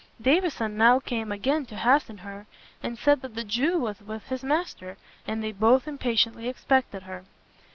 Davison now came again to hasten her, and said that the Jew was with his master, and they both impatiently expected her.